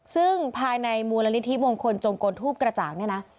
ซึ่งภายในมูลนิธิมงคลจงกลทูปกระจ่างเนี่ยนะ